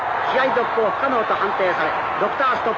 続行不可能と判定されドクターストップ。